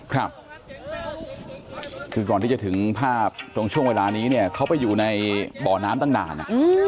ครับคือก่อนที่จะถึงภาพตรงช่วงเวลานี้เนี่ยเขาไปอยู่ในบ่อน้ำตั้งนาน